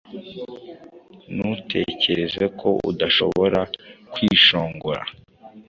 Ntutekereze ko udashobora kwishongora,